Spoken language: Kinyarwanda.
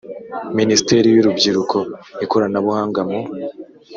Minisiteri y Urubyiruko Ikoranabuhanga mu